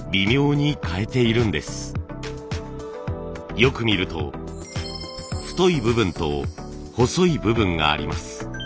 よく見ると太い部分と細い部分があります。